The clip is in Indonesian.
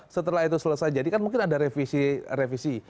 setelah itu selesai jadi kan mungkin ada revisi